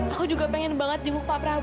aku juga pengen banget jenguk pak prabowo